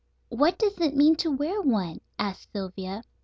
"What does it mean to wear one?" asked Sylvia.